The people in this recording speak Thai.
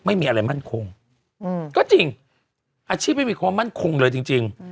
ไม่มีอะไรมั่นคงก็จริงอาชีพไม่มีความมั่นคงเลยจริง